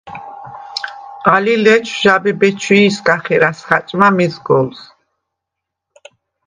ალი ლეთშვ ჟაბე ბეჩვიისგა ხერას ხა̈ჭმა მეზგოლს.